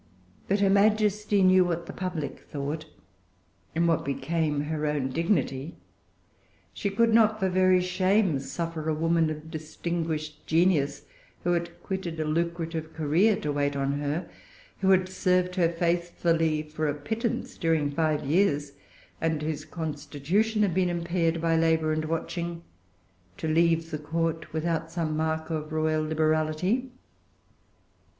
But her Majesty knew what the public thought, and what became her own dignity. She could not for very shame suffer a woman of distinguished genius, who had quitted a lucrative career to wait on her, who had served her faithfully for a pittance during five years, and whose constitution had been impaired by labor and watching, to leave the Court without some mark of royal liberality.